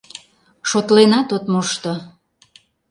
Шотленат от мошто...